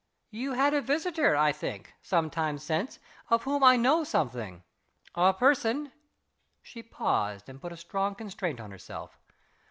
"You had a visitor, I think, some time since of whom I know something? A person " She paused, and put a strong constraint on herself.